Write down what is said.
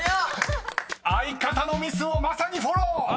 ［相方のミスをまさにフォロー！］